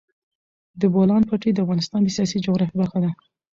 د بولان پټي د افغانستان د سیاسي جغرافیه برخه ده.